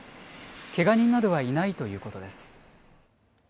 けが人などはいないということです。